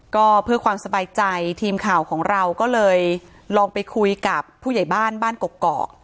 ก็เพื่อความสบายใจทีมข่าวของเราก็เลยลองไปคุยกับผู้ใหญ่บ้านบ้านกกอก